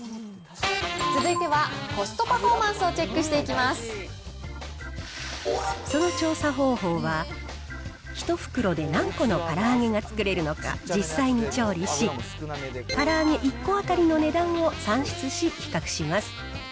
続いては、コストパフォーマンスその調査方法は、１袋で何個のから揚げが作れるのか実際に調理し、から揚げ１個当たりの値段を算出し、比較します。